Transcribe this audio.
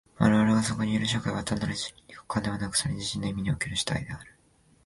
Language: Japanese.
我々がそこにいる社会は単なる客観でなく、それ自身の意味における主体である。